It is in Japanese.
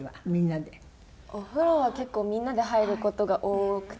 お風呂は結構みんなで入る事が多くて。